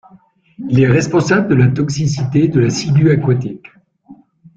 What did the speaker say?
Il est responsable de la toxicité de la cigüe aquatique.